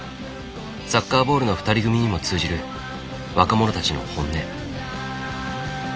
サッカーボールの２人組にも通じる若者たちの本音。